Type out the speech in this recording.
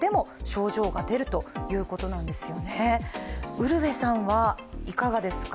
ウルヴェさんはいかがですか？